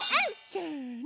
せの。